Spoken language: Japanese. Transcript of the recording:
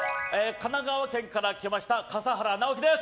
神奈川県から来ました笠原直樹です。